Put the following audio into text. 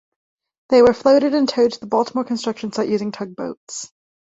They were floated and towed to the Baltimore construction site using tugboats.